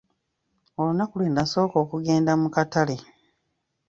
Olunaku lwe nasooka okugenda mu Katale.